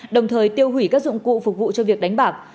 đồng thời tiêu hủy các dụng cụ phục vụ cho việc đánh bạc